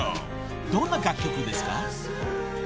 ［どんな楽曲ですか？］